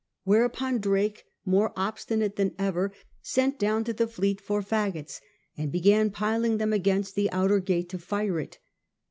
Whereupon Drake, more obstinate than ever, sent down to the fleet for faggots, and began piling them against the outer gate to fire it.